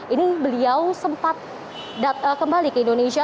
ini beliau sempat kembali ke indonesia